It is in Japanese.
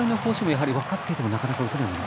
やはり分かっていてもなかなか打てないもの？